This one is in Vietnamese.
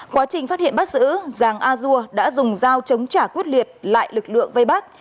quá trình phát hiện bắt giữ giàng a dua đã dùng dao chống trả quyết liệt lại lực lượng vây bắt